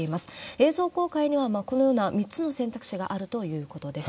映像公開には、このような３つの選択肢があるということです。